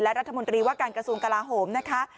รัฐมนตรีว่าการกระทรวงกลาโหมนะคะ